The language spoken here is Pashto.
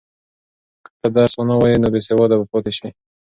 که ته درس ونه وایې نو بېسواده به پاتې شې.